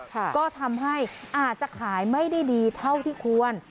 ก็ทำให้อาจจะขายไม่ได้ดีเท่าที่ควร